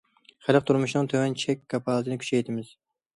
خەلق تۇرمۇشىنىڭ تۆۋەن چەك كاپالىتىنى كۈچەيتىمىز.